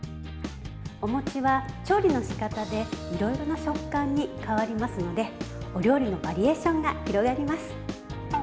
お餅は調理の仕方でいろいろな食感に変わりますのでお料理のバリエーションが広がります。